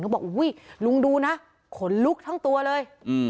บอกอุ้ยลุงดูนะขนลุกทั้งตัวเลย